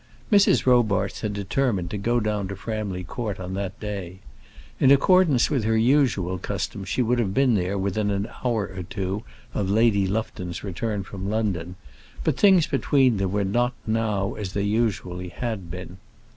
Mrs. Robarts had determined to go down to Framley Court on that day. In accordance with her usual custom she would have been there within an hour or two of Lady Lufton's return from London, but things between them were not now as they usually had been.